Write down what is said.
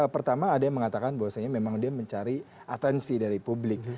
pertama ada yang mengatakan bahwasanya memang dia mencari atensi dari publik